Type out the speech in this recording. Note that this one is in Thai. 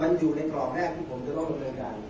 มันอยู่ในกรอบแรกที่ผมจะต้องลงเรือกัน